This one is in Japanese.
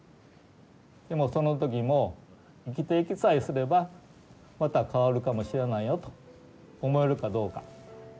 でもその時も生きていきさえすればまた変わるかもしれないよと思えるかどうか。